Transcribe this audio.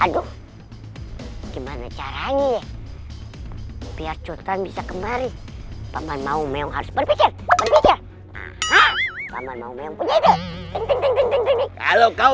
aduh gimana caranya biar sultan bisa kemarin paman mau meong harus berpikir pikir kalau kau